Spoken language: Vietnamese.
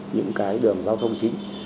những cái đường giao thông chính